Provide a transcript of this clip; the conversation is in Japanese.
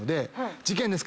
「事件ですか？